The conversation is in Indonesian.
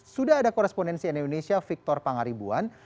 sudah ada korespondensi indonesia victor pangaribuan